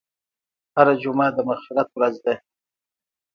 هره جمعه د مغفرت ورځ ده.